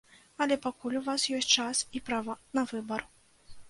Але пакуль у вас ёсць час і права на выбар.